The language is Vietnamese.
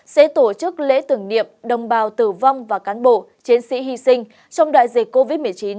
sẽ tổ chức lễ tưởng niệm đồng bào tử vong và cán bộ chiến sĩ hy sinh trong đại dịch covid một mươi chín